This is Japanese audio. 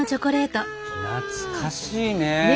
懐かしいね。ね！